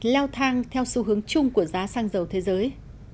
leo thang theo xu hướng chung của giá xăng dầu thế giới